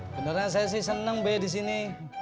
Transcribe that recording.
beneran saya sih seneng be disini